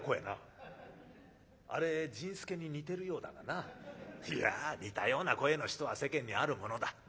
なあれ甚助に似てるようだがないやあ似たような声の人は世間にあるものだ。